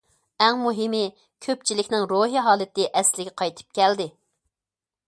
ئەڭ مۇھىمى كۆپچىلىكنىڭ روھىي ھالىتى ئەسلىگە قايتىپ كەلدى.